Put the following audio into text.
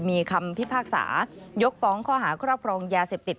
มีคำพิพากษายกฟ้องข้อหาครอบครองยาเสพติด